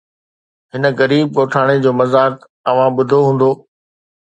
هن غريب ڳوٺاڻي جو مذاق اوهان ٻڌو هوندو